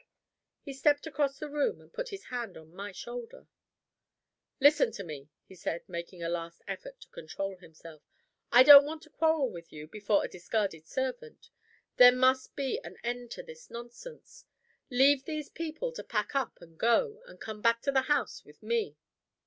He stepped across the room and put his hand on my shoulder. "Listen to me," he said, making a last effort to control himself. "I don't want to quarrel with you before a discarded servant. There must be an end to this nonsense. Leave these people to pack up and go, and come back to the house with me."